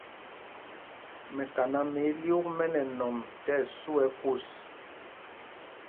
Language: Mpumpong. Mɛkaná mɛ ílyûk mɛ nɛ nɔm tí ɛsu kús.